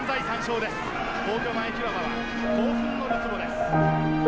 皇居前広場は興奮のるつぼです。